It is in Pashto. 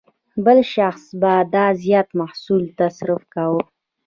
بل شخص به دا زیات محصول تصرف کاوه.